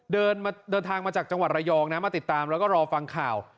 เดินทางมาจากจังหวัดระยองนะมาติดตามแล้วก็รอฟังข่าว